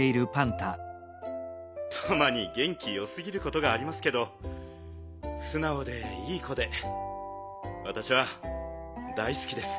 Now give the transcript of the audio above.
たまにげん気よすぎることがありますけどすなおでいい子でわたしは大すきです。